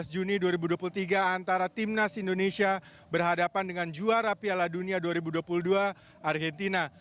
dua belas juni dua ribu dua puluh tiga antara timnas indonesia berhadapan dengan juara piala dunia dua ribu dua puluh dua argentina